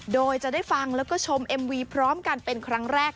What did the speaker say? โดยจะได้ฟังแล้วก็ชมเอ็มวีพร้อมกันเป็นครั้งแรก